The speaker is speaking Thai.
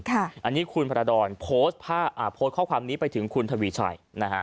อันนี้คุณพระดรโพสต์ข้อความนี้ไปถึงคุณทวีชัย